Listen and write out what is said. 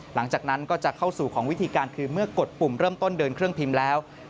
หลังจากนั้นก็จะเข้าสู่ของวิธีการคือเมื่อกดปุ่มเริ่มต้นเดินเครื่องพิมพ์แล้ว